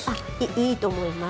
いいと思います。